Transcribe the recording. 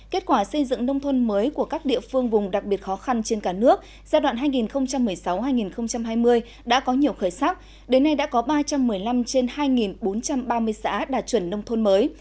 kết quả xây dựng nông thôn mới của các địa phương vùng đặc biệt khó khăn trên cả nước giai đoạn hai nghìn một mươi sáu hai nghìn hai mươi đã có nhiều khởi sắc đến nay đã có ba trăm một mươi năm trên hai bốn trăm ba mươi xã đạt chuẩn nông thôn mới